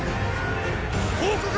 報告！！